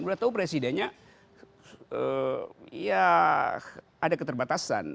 beliau tahu presidennya ya ada keterbatasan